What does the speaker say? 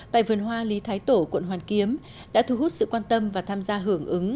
tại vườn hoa lý thái tổ quận hoàn kiếm đã thu hút sự quan tâm và tham gia hưởng ứng